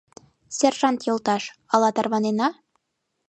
— Сержант йолташ, ала тарванена?